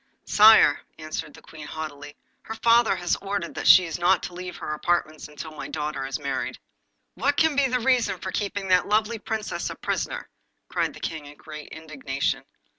'Sire,' answered the Queen haughtily, 'her father has ordered that she shall not leave her own apartments until my daughter is married.' 'What can be the reason for keeping that lovely Princess a prisoner?' cried the King in great indignation.